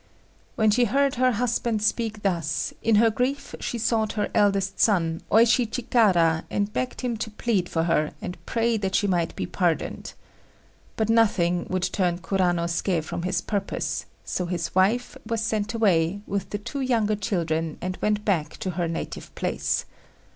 When she heard her husband speak thus, in her grief she sought her eldest son, Oishi Chikara, and begged him to plead for her, and pray that she might be pardoned. But nothing would turn Kuranosuké from his purpose, so his wife was sent away, with the two younger children, and went back to her native place.